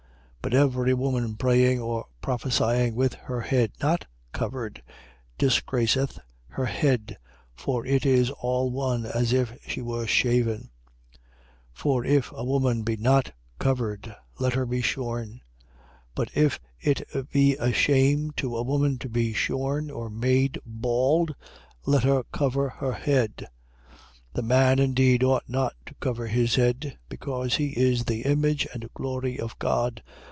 11:5. But every woman praying or prophesying with her head not covered disgraceth her head: for it is all one as if she were shaven. 11:6. For if a woman be not covered, let her be shorn. But if it be a shame to a woman to be shorn or made bald, let her cover her head. 11:7. The man indeed ought not to cover his head: because he is the image and glory of God.